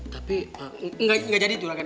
tapi gak jadi yorakan